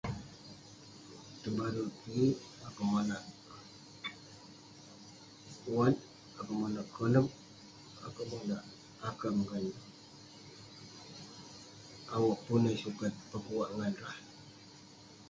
Tebare kik, akouk monak wat, akouk monak konep, akouk monak akang ngan neh. Awe' pun eh sukat pekuak ngan rah.